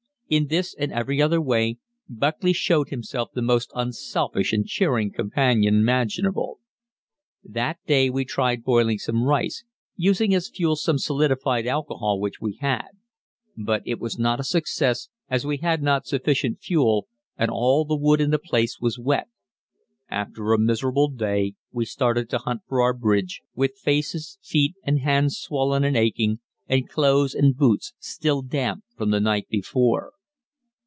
In this and every other way Buckley showed himself the most unselfish and cheering companion imaginable. That day we tried boiling some rice, using as fuel some solidified alcohol which we had; but it was not a success, as we had not sufficient fuel and all the wood in the place was wet. After a miserable day we started to hunt for our bridge, with faces, feet, and hands swollen and aching and clothes and boots still damp from the night before.